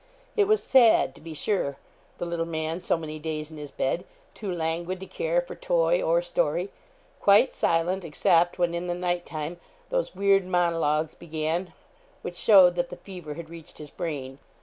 It was sad, to be sure, the little man so many days in his bed, too languid to care for toy or story, quite silent, except when, in the night time, those weird monologues began which showed that the fever had reached his brain.